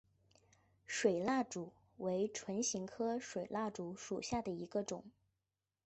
水蜡烛为唇形科水蜡烛属下的一个种。